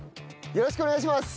よろしくお願いします。